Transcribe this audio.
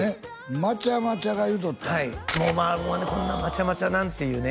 まちゃまちゃが言うとったんやこんなまちゃまちゃなんていうね